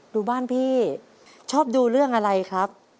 ดูบ้านพี่ชอบดูเรื่องอะไรครับ